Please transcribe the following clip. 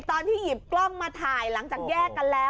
ตอนที่หยิบกล้องมาถ่ายหลังจากแยกกันแล้ว